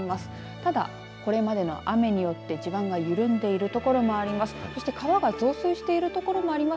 ただ、これまでの雨によって地盤が緩んでいる所もあります。